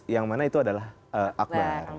yang mana itu adalah akbar